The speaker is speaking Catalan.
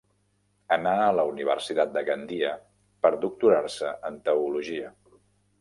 Anà a la Universitat de Gandia per doctorar-se en teologia.